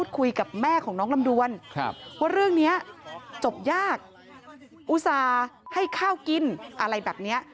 คุยกับแม่ของน้องลำดวนว่าเรื่องนี้จบยากอุตส่าห์ให้ข้าวกินอะไรแบบนี้